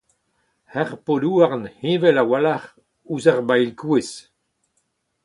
Ur pod-houarn heñvel a-walc'h ouzh ur bailh-kouez.